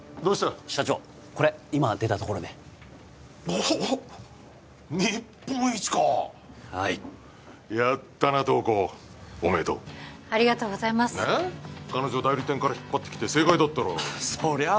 社長これ今出たところでおっおっ日本一かはいやったな瞳子おめでとうありがとうございますなあ彼女を代理店から引っ張ってきて正解だったろうそりゃあ